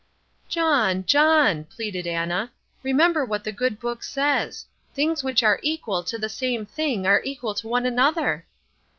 "John, John," pleaded Anna, "remember what the Good Book says: 'Things which are equal to the same thing are equal to one another!